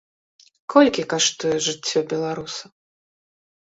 Колькі каштуе жыццё беларуса?